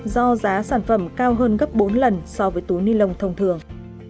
do giá sản phẩm cao hơn gấp bốn lần so với túi ni lông thông thường